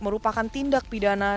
merupakan tindak pidana